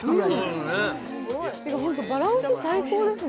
ホント、バランス最高ですね